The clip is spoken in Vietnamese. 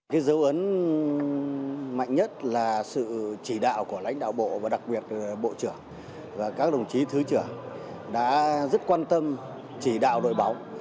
cái dấu ấn mạnh nhất là sự chỉ đạo của lãnh đạo bộ và đặc biệt bộ trưởng và các đồng chí thứ trưởng đã rất quan tâm chỉ đạo đội bóng